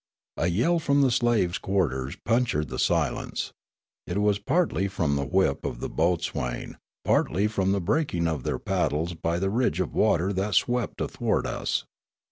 A yell from the slaves' quarters punctured the silence ; it was partly from the whip of the boatswain, partly from the breaking of their paddles by the ridge of water that swept athwart us.